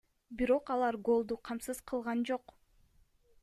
Бирок алар голду камсыз кылган жок.